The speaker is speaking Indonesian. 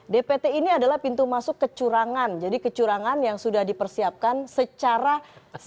dpt ini adalah pintu masuk kecurangan jadi kecurangan yang sudah dipersiapkan secara signifikan